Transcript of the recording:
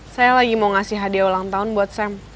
saya lagi mau ngasih hadiah ulang tahun buat saya